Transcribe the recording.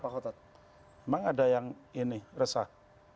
udah udahan gak resah